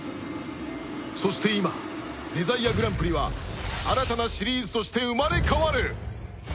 そして今デザイアグランプリは新たなシリーズとして生まれ変わる